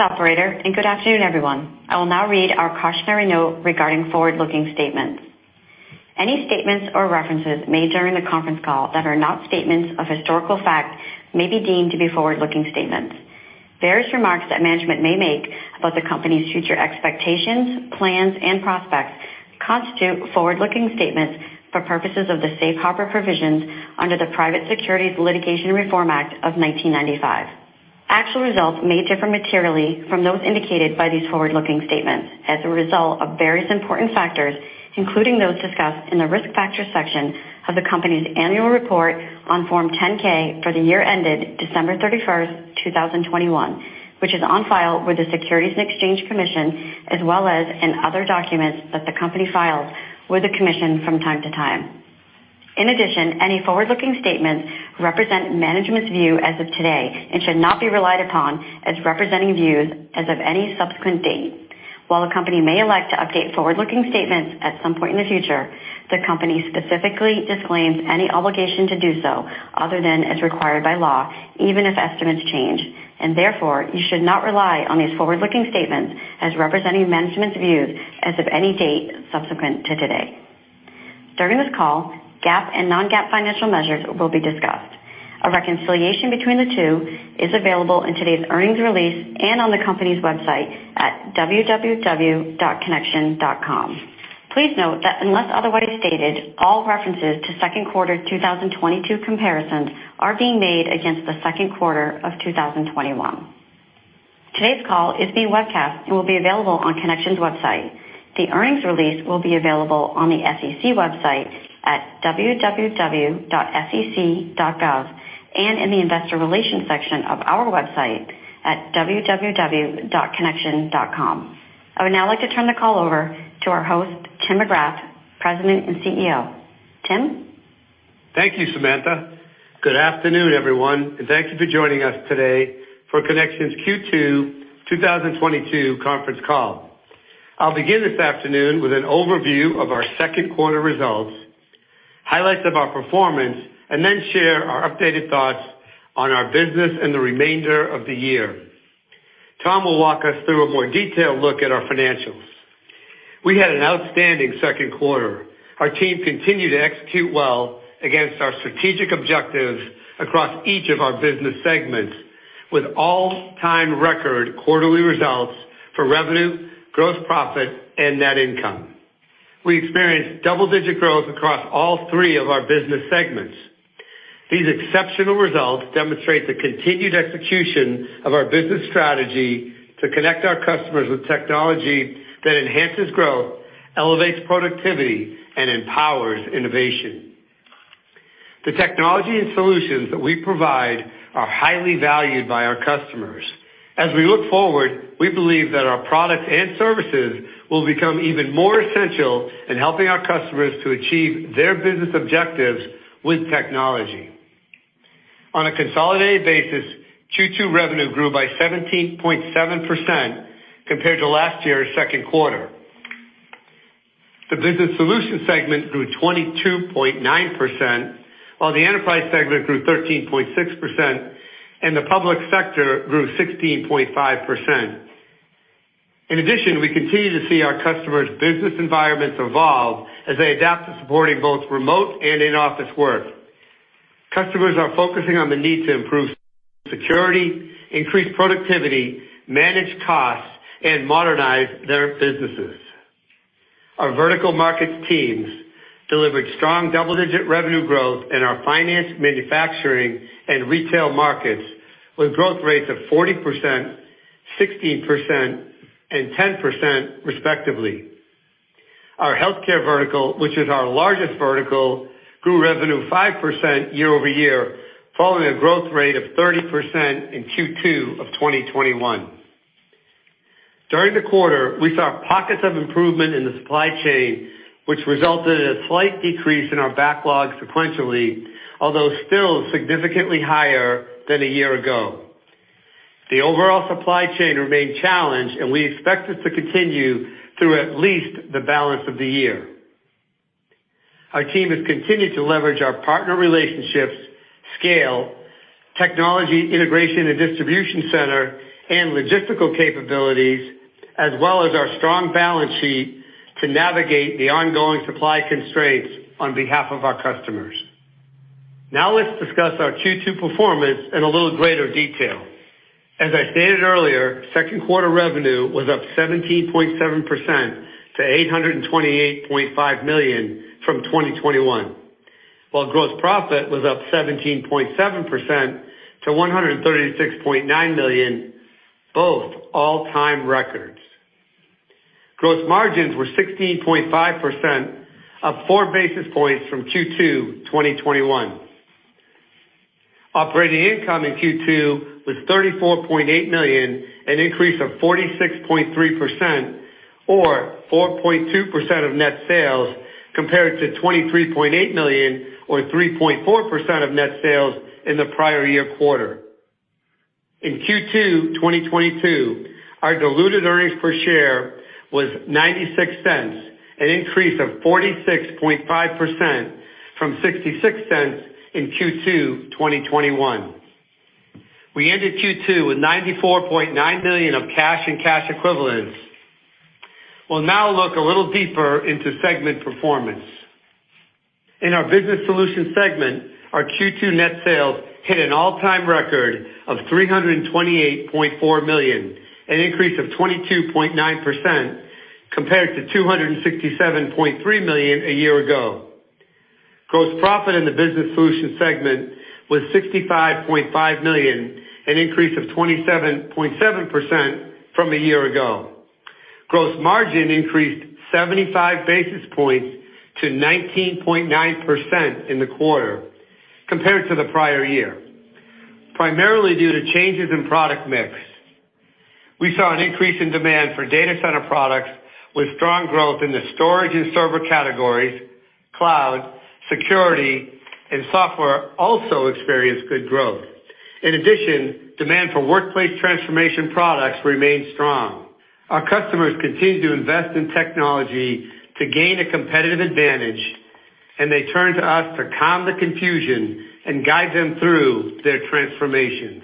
Operator, good afternoon, everyone. I will now read our cautionary note regarding forward-looking statements. Any statements or references made during the conference call that are not statements of historical fact may be deemed to be forward-looking statements. Various remarks that management may make about the company's future expectations, plans, and prospects constitute forward-looking statements for purposes of the safe harbor provisions under the Private Securities Litigation Reform Act of 1995. Actual results may differ materially from those indicated by these forward-looking statements as a result of various important factors, including those discussed in the Risk Factors section of the company's annual report on Form 10-K for the year ended December 31, 2021, which is on file with the Securities and Exchange Commission, as well as in other documents that the company files with the Commission from time to time. In addition, any forward-looking statements represent management's view as of today and should not be relied upon as representing views as of any subsequent date. While the company may elect to update forward-looking statements at some point in the future, the company specifically disclaims any obligation to do so other than as required by law, even if estimates change. Therefore, you should not rely on these forward-looking statements as representing management's views as of any date subsequent to today. During this call, GAAP and Non-GAAP financial measures will be discussed. A reconciliation between the two is available in today's earnings release and on the company's website at www.connection.com. Please note that unless otherwise stated, all references to second quarter 2022 comparisons are being made against the second quarter of 2021. Today's call is being webcast and will be available on Connection's website. The earnings release will be available on the SEC website at www.sec.gov, and in the investor relations section of our website at www.connection.com. I would now like to turn the call over to our host, Tim McGrath, President and Chief Executive Officer. Tim? Thank you, Samantha. Good afternoon, everyone, and thank you for joining us today for Connection's Q2 2022 conference call. I'll begin this afternoon with an overview of our second quarter results, highlights of our performance, and then share our updated thoughts on our business and the remainder of the year. Tom will walk us through a more detailed look at our financials. We had an outstanding second quarter. Our team continued to execute well against our strategic objectives across each of our business segments with all-time record quarterly results for revenue, gross profit, and net income. We experienced double-digit growth across all three of our business segments. These exceptional results demonstrate the continued execution of our business strategy to connect our customers with technology that enhances growth, elevates productivity, and empowers innovation. The technology and solutions that we provide are highly valued by our customers. As we look forward, we believe that our products and services will become even more essential in helping our customers to achieve their business objectives with technology. On a consolidated basis, Q2 revenue grew by 17.7% compared to last year's second quarter. The Business Solutions segment grew 22.9%, while the Enterprise segment grew 13.6%, and the Public Sector grew 16.5%. In addition, we continue to see our customers' business environments evolve as they adapt to supporting both remote and in-office work. Customers are focusing on the need to improve security, increase productivity, manage costs, and modernize their businesses. Our vertical markets teams delivered strong double-digit revenue growth in our finance, manufacturing, and retail markets, with growth rates of 40%, 16%, and 10% respectively. Our healthcare vertical, which is our largest vertical, grew revenue 5% year-over-year, following a growth rate of 30% in Q2 of 2021. During the quarter, we saw pockets of improvement in the supply chain, which resulted in a slight decrease in our backlog sequentially, although still significantly higher than a year ago. The overall supply chain remained challenged, and we expect it to continue through at least the balance of the year. Our team has continued to leverage our partner relationships, scale, technology integration and distribution center, and logistical capabilities, as well as our strong balance sheet to navigate the ongoing supply constraints on behalf of our customers. Now let's discuss our Q2 performance in a little greater detail. As I stated earlier, second quarter revenue was up 17.7% to $828.5 million from 2021. While gross profit was up 17.7% to $136.9 million, both all-time records. Gross margins were 16.5%, up 4 basis points from Q2 2021. Operating income in Q2 was $34.8 million, an increase of 46.3% or 4.2% of net sales, compared to $23.8 million or 3.4% of net sales in the prior year quarter. In Q2 2022. Our diluted earnings per share was $0.96, an increase of 46.5% from $0.66 in Q2 2021. We ended Q2 with $94.9 million of cash and cash equivalents. We'll now look a little deeper into segment performance. In our business solutions segment, our Q2 net sales hit an all-time record of $328.4 million, an increase of 22.9% compared to $267.3 million a year ago. Gross profit in the business solutions segment was $65.5 million, an increase of 27.7% from a year ago. Gross margin increased 75 basis points to 19.9% in the quarter compared to the prior year, primarily due to changes in product mix. We saw an increase in demand for data center products with strong growth in the storage and server categories, cloud, security, and software also experienced good growth. In addition, demand for workplace transformation products remained strong. Our customers continue to invest in technology to gain a competitive advantage, and they turn to us to calm the confusion and guide them through their transformations.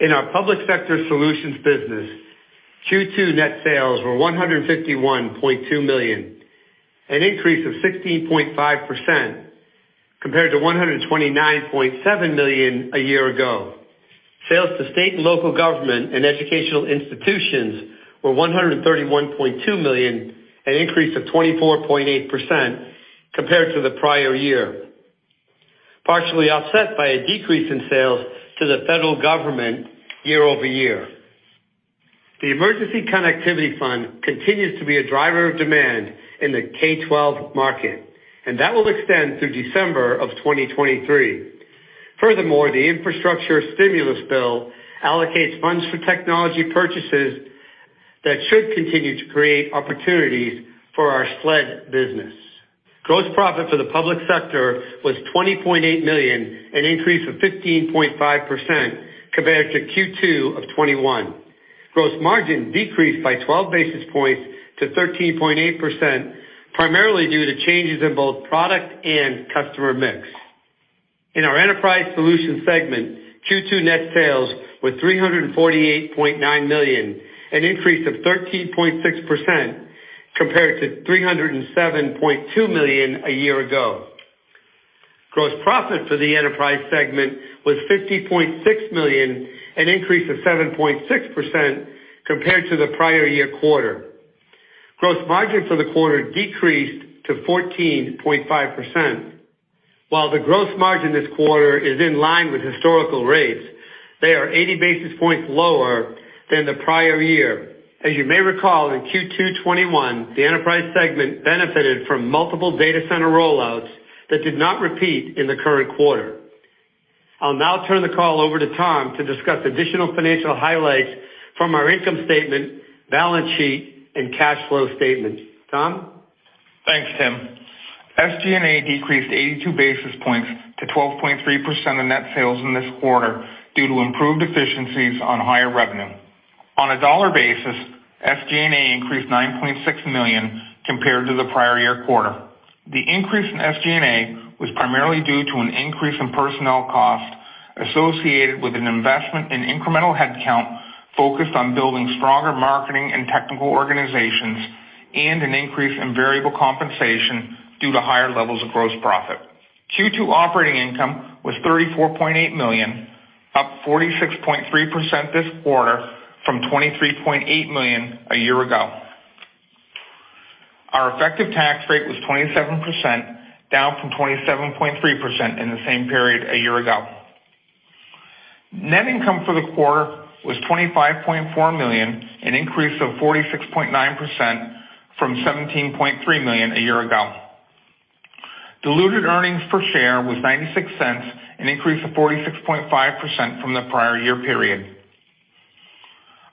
In our public sector solutions business, Q2 net sales were $151.2 million, an increase of 16.5% compared to $129.7 million a year ago. Sales to state and local government and educational institutions were $131.2 million, an increase of 24.8% compared to the prior year, partially offset by a decrease in sales to the federal government year over year. The Emergency Connectivity Fund continues to be a driver of demand in the K-12 market, and that will extend through December of 2023. Furthermore, the infrastructure stimulus bill allocates funds for technology purchases that should continue to create opportunities for our SLED business. Gross profit for the public sector was $20.8 million, an increase of 15.5% compared to Q2 of 2021. Gross margin decreased by 12 basis points to 13.8%, primarily due to changes in both product and customer mix. In our enterprise solutions segment, Q2 net sales were $348.9 million, an increase of 13.6% compared to $307.2 million a year ago. Gross profit for the enterprise segment was $50.6 million, an increase of 7.6% compared to the prior year quarter. Gross margin for the quarter decreased to 14.5%. While the gross margin this quarter is in line with historical rates, they are 80 basis points lower than the prior year. As you may recall, in Q2 2021, the enterprise segment benefited from multiple data center rollouts that did not repeat in the current quarter. I'll now turn the call over to Tom to discuss additional financial highlights from our income statement, balance sheet, and cash flow statement. Tom? Thanks, Tim. SG&A decreased 82 basis points to 12.3% of net sales in this quarter due to improved efficiencies on higher revenue. On a dollar basis, SG&A increased $9.6 million compared to the prior year quarter. The increase in SG&A was primarily due to an increase in personnel cost associated with an investment in incremental headcount focused on building stronger marketing and technical organizations, and an increase in variable compensation due to higher levels of gross profit. Q2 operating income was $34.8 million, up 46.3% this quarter from $23.8 million a year ago. Our effective tax rate was 27%, down from 27.3% in the same period a year ago. Net income for the quarter was $25.4 million, an increase of 46.9% from $17.3 million a year ago. Diluted earnings per share was $0.96, an increase of 46.5% from the prior year period.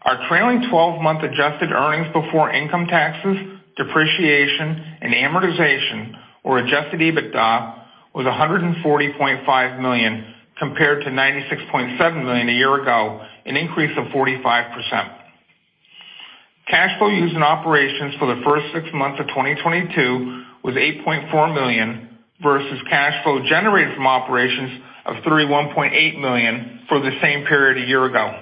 Our trailing twelve-month adjusted earnings before income taxes, depreciation, and amortization, or adjusted EBITDA, was $140.5 million compared to $96.7 million a year ago, an increase of 45%. Cash flow used in operations for the first six months of 2022 was $8.4 million versus cash flow generated from operations of $31.8 million for the same period a year ago.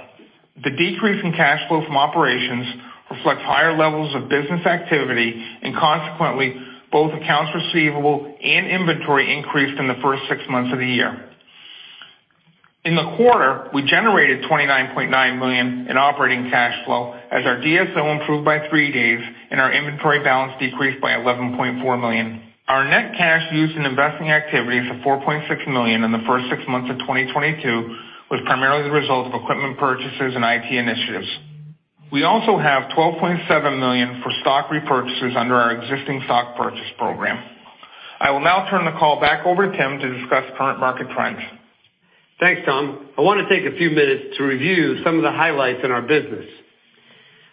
The decrease in cash flow from operations reflects higher levels of business activity, and consequently, both accounts receivable and inventory increased in the first six months of the year. In the quarter, we generated $29.9 million in operating cash flow as our DSO improved by three days and our inventory balance decreased by $11.4 million. Our net cash used in investing activities of $4.6 million in the first six months of 2022 was primarily the result of equipment purchases and IT initiatives. We also have $12.7 million for stock repurchases under our existing stock purchase program. I will now turn the call back over to Tim to discuss current market trends. Thanks, Tom. I want to take a few minutes to review some of the highlights in our business.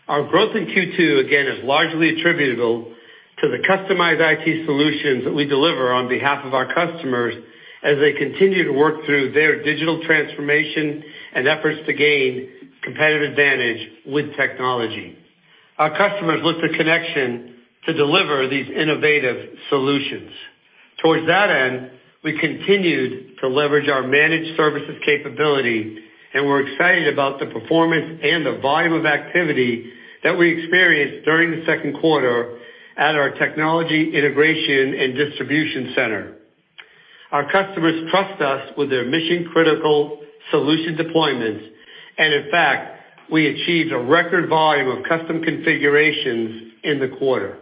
Our growth in Q2, again, is largely attributable to the customized IT solutions that we deliver on behalf of our customers as they continue to work through their digital transformation and efforts to gain competitive advantage with technology. Our customers look to Connection to deliver these innovative solutions. Towards that end, we continued to leverage our managed services capability, and we're excited about the performance and the volume of activity that we experienced during the second quarter at our technology integration and distribution center. Our customers trust us with their mission-critical solution deployments, and in fact, we achieved a record volume of custom configurations in the quarter.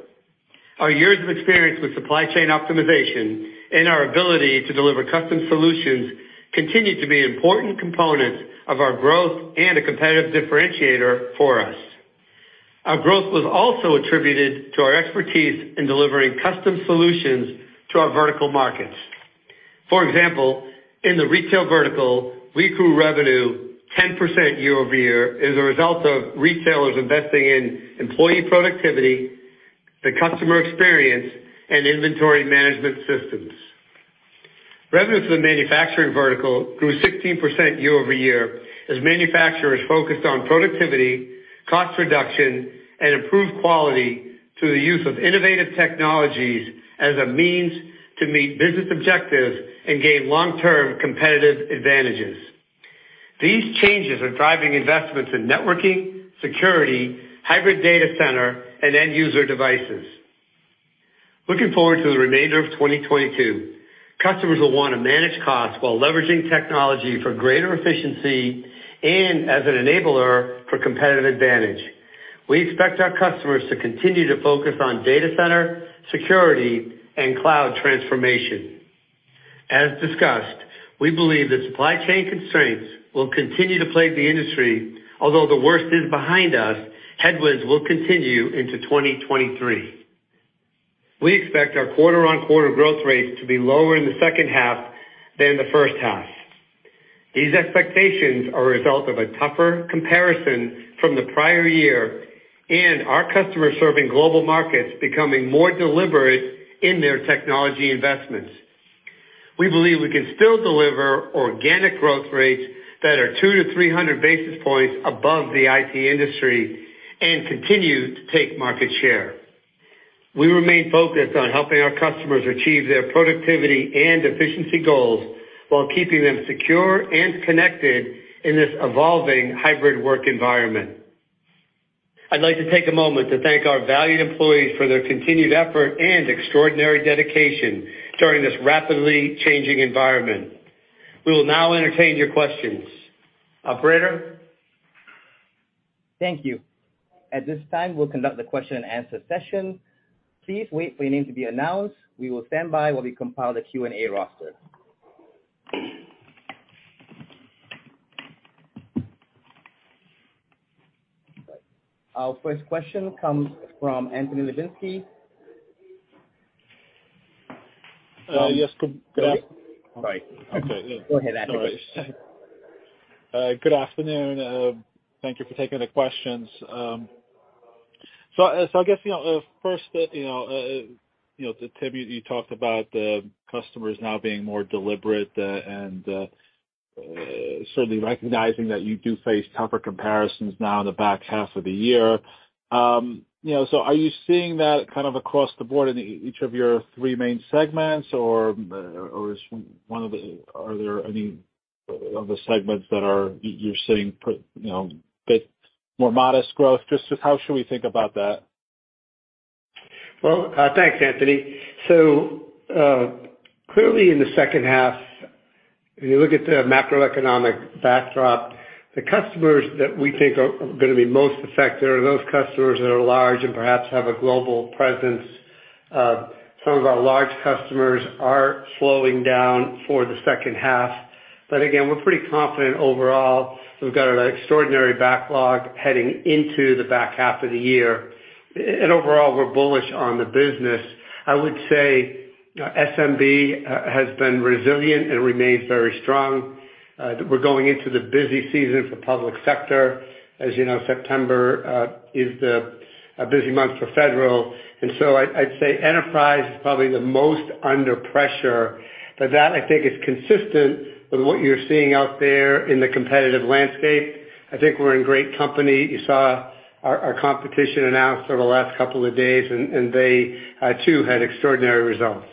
Our years of experience with supply chain optimization and our ability to deliver custom solutions continue to be important components of our growth and a competitive differentiator for us. Our growth was also attributed to our expertise in delivering custom solutions to our vertical markets. For example, in the retail vertical, we grew revenue 10% year over year as a result of retailers investing in employee productivity, the customer experience, and inventory management systems. Revenue for the manufacturing vertical grew 16% year over year as manufacturers focused on productivity, cost reduction, and improved quality through the use of innovative technologies as a means to meet business objectives and gain long-term competitive advantages. These changes are driving investments in networking, security, hybrid data center, and end user devices. Looking forward to the remainder of 2022, customers will wanna manage costs while leveraging technology for greater efficiency and as an enabler for competitive advantage. We expect our customers to continue to focus on data center, security, and cloud transformation. As discussed, we believe that supply chain constraints will continue to plague the industry. Although the worst is behind us, headwinds will continue into 2023. We expect our quarter-on-quarter growth rates to be lower in the second half than the first half. These expectations are a result of a tougher comparison from the prior year and our customer-serving global markets becoming more deliberate in their technology investments. We believe we can still deliver organic growth rates that are 200 basis points-300 basis points above the IT industry and continue to take market share. We remain focused on helping our customers achieve their productivity and efficiency goals while keeping them secure and connected in this evolving hybrid work environment. I'd like to take a moment to thank our valued employees for their continued effort and extraordinary dedication during this rapidly changing environment. We will now entertain your questions. Operator? Thank you. At this time, we'll conduct the question and answer session. Please wait for your name to be announced. We will stand by while we compile the Q&A roster. Our first question comes from Anthony Lebiedzinski. Yes. Right. Go ahead, Anthony. No worries. Good afternoon. Thank you for taking the questions. I guess, you know, first, you know, Tim, you talked about the customers now being more deliberate and certainly recognizing that you do face tougher comparisons now in the back half of the year. You know, are you seeing that kind of across the board in each of your three main segments, or are there any of the segments that you're seeing perhaps, you know, a bit more modest growth? Just how should we think about that? Well, thanks, Anthony. Clearly in the second half, if you look at the macroeconomic backdrop, the customers that we think are gonna be most affected are those customers that are large and perhaps have a global presence. Some of our large customers are slowing down for the second half. We're pretty confident overall. We've got an extraordinary backlog heading into the back half of the year. Overall, we're bullish on the business. I would say SMB has been resilient and remains very strong. We're going into the busy season for public sector. As you know, September is a busy month for federal. I'd say enterprise is probably the most under pressure, but that I think is consistent with what you're seeing out there in the competitive landscape. I think we're in great company. You saw our competition announce over the last couple of days, and they too had extraordinary results.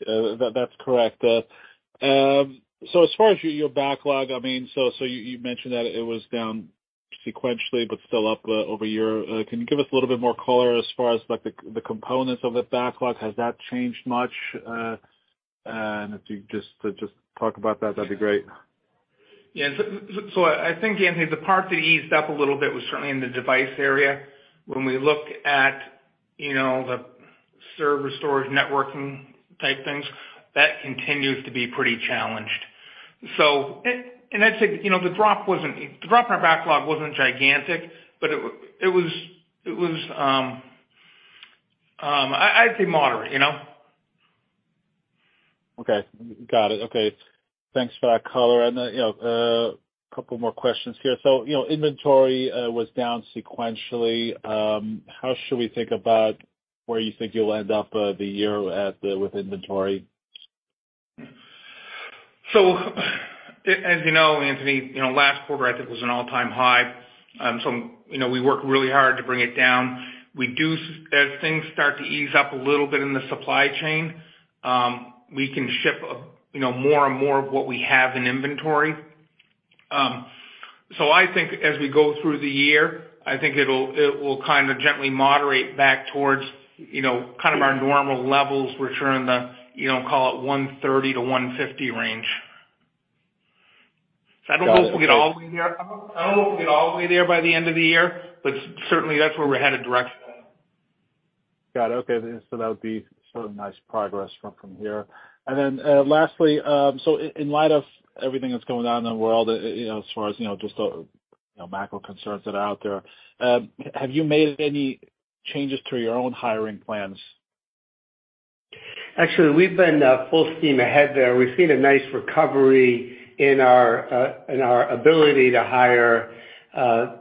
That's correct. As far as your backlog, I mean, you mentioned that it was down sequentially, but still up year-over-year. Can you give us a little bit more color as far as like the components of the backlog? Has that changed much? If you just talk about that'd be great. Yeah. I think, Anthony, the part that eased up a little bit was certainly in the device area. When we look at, you know, the server storage, networking type things, that continues to be pretty challenged. I'd say, you know, the drop in our backlog wasn't gigantic, but it was, I'd say moderate, you know? Okay. Got it. Okay. Thanks for that color. You know, a couple more questions here. You know, inventory was down sequentially. How should we think about where you think you'll end up the year with inventory? As you know, Anthony, you know, last quarter I think was an all-time high. You know, we worked really hard to bring it down. As things start to ease up a little bit in the supply chain, we can ship, you know, more and more of what we have in inventory. I think as we go through the year, I think it will kinda gently moderate back towards, you know, kind of our normal levels, which are in the, you know, call it 130 range-150 range. I don't know if we'll get all the way there. I don't know if we'll get all the way there by the end of the year, but certainly that's where we're headed directionally. Got it. Okay. That would be sort of nice progress from here. Then, lastly, in light of everything that's going on in the world, you know, as far as, you know, just, you know, macro concerns that are out there, have you made any changes to your own hiring plans? Actually, we've been full steam ahead there. We've seen a nice recovery in our ability to hire. You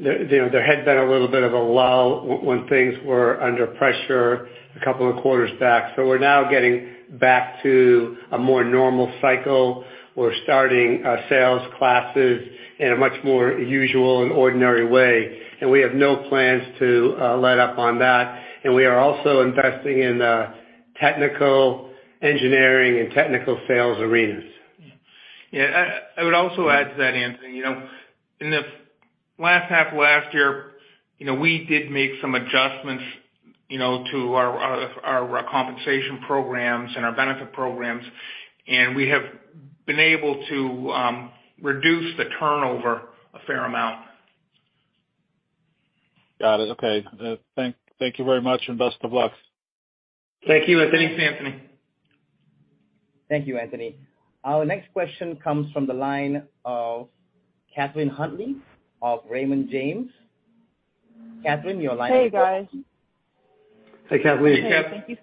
know, there had been a little bit of a lull when things were under pressure a couple of quarters back. We're now getting back to a more normal cycle. We're starting sales classes in a much more usual and ordinary way, and we have no plans to let up on that. We are also investing in technical engineering and technical sales arenas. Yeah. I would also add to that, Anthony. You know, in the last half of last year, you know, we did make some adjustments, you know, to our compensation programs and our benefit programs, and we have been able to reduce the turnover a fair amount. Got it. Okay. Thank you very much and best of luck. Thank you. Thanks, Anthony. Thank you, Anthony. Our next question comes from the line of Catherine Huntley of Raymond James. Hannah, your line is open. Hey, guys. Hey, Catherine. Hey,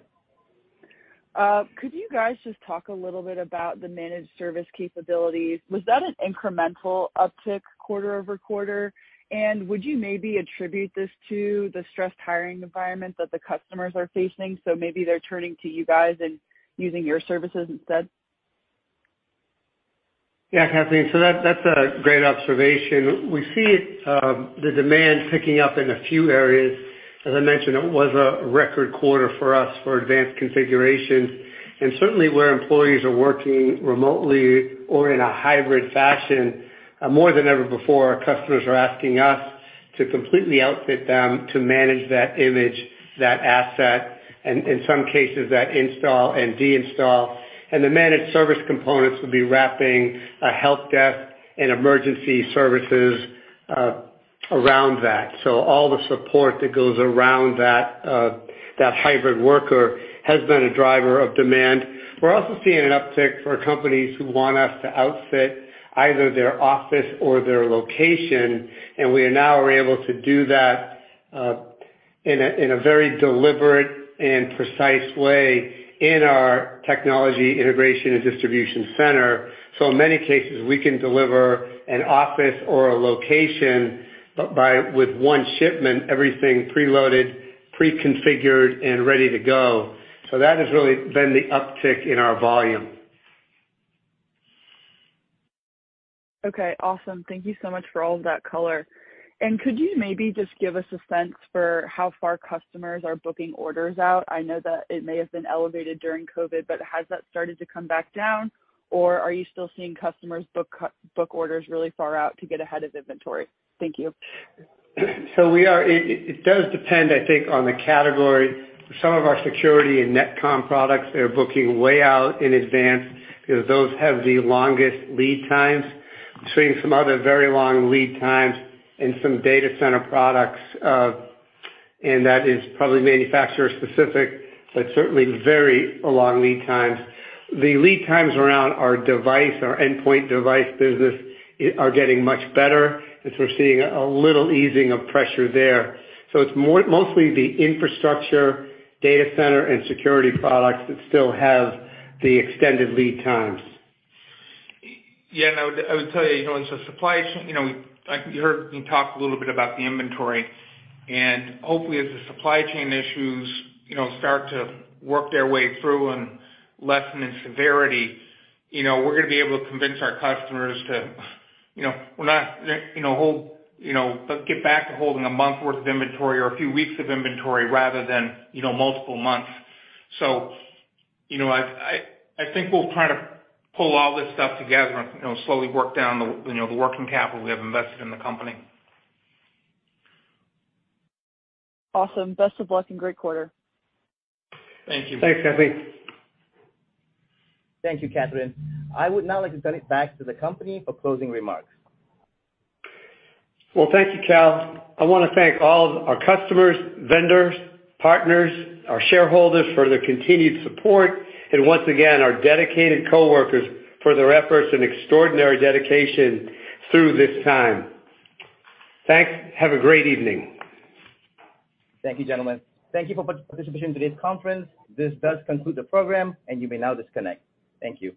Catherine. Could you guys just talk a little bit about the managed service capabilities? Was that an incremental uptick quarter over quarter? Would you maybe attribute this to the stressed hiring environment that the customers are facing, so maybe they're turning to you guys and using your services instead? Yeah, Catherine. That's a great observation. We see the demand picking up in a few areas. As I mentioned, it was a record quarter for us for advanced configuration. Certainly where employees are working remotely or in a hybrid fashion, more than ever before, our customers are asking us to completely outfit them to manage that image, that asset, and in some cases that install and de-install. The managed service components would be wrapping a help desk and emergency services around that. All the support that goes around that hybrid worker has been a driver of demand. We're also seeing an uptick for companies who want us to outfit either their office or their location, and we now are able to do that in a very deliberate and precise way in our technology integration and distribution center. In many cases, we can deliver an office or a location with one shipment, everything preloaded, pre-configured and ready to go. That has really been the uptick in our volume. Okay, awesome. Thank you so much for all of that color. Could you maybe just give us a sense for how far customers are booking orders out? I know that it may have been elevated during COVID, but has that started to come back down, or are you still seeing customers book orders really far out to get ahead of inventory? Thank you. It does depend, I think, on the category. Some of our security and Net/Com products are booking way out in advance because those have the longest lead times between some other very long lead times and some data center products, and that is probably manufacturer-specific, but certainly very long lead times. The lead times around our device, our endpoint device business are getting much better as we're seeing a little easing of pressure there. It's mostly the infrastructure data center and security products that still have the extended lead times. Yeah. I would tell you know, it's a supply chain, you know, like you heard me talk a little bit about the inventory. Hopefully, as the supply chain issues, you know, start to work their way through and lessen in severity, you know, we're gonna be able to convince our customers to get back to holding a month worth of inventory or a few weeks of inventory rather than, you know, multiple months. I think we'll try to pull all this stuff together and, you know, slowly work down the working capital we have invested in the company. Awesome. Best of luck and great quarter. Thank you. Thanks, Catherine. Thank you, Catherine Huntley. I would now like to send it back to the company for closing remarks. Well, thank you, Cal. I wanna thank all of our customers, vendors, partners, our shareholders for their continued support. Once again, our dedicated coworkers for their efforts and extraordinary dedication through this time. Thanks. Have a great evening. Thank you, gentlemen. Thank you for participating in today's conference. This does conclude the program, and you may now disconnect. Thank you.